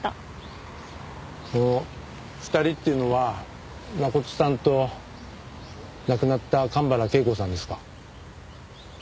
その２人っていうのは真琴さんと亡くなった神原恵子さんですか？